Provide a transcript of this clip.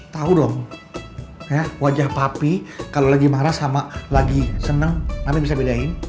tahu dong ya wajah papi kalau lagi marah sama lagi seneng nanti bisa bedain